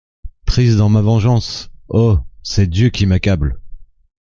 Prise dans ma vengeance ! oh ! c’est Dieu qui m’accable !